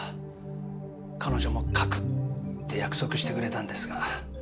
彼女も書くって約束してくれたんですが。